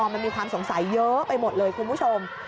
มันมีความสงสัยเยอะไปหมดเลยคุณผู้ชม